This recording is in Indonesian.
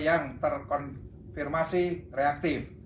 yang terkonfirmasi reaktif